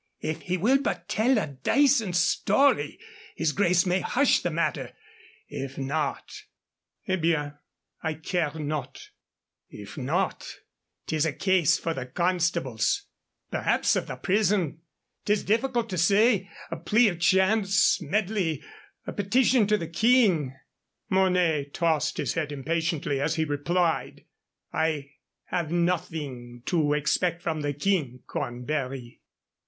"If he will but tell a dacent story, his grace may hush the matter. If not " "Eh bien I care not " "If not, 'tis a case for the constables, perhaps of the prison; 'tis difficult to say a plea of chance medley a petition to the King " Mornay tossed his head impatiently as he replied: "I have nothing to expect from the King, Cornbury."